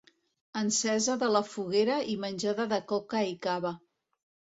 Encesa de la foguera i menjada de coca i cava.